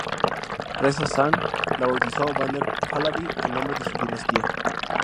Reza Shah la bautizó Bandar Pahlavi, el nombre de su dinastía.